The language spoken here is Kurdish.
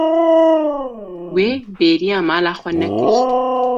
Wê bêriya mala xwe nekir.